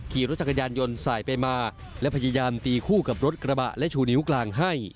ขี่รถจักรยานยนต์สายไปมาและพยายามตีคู่กับรถกระบะและชูนิ้วกลางให้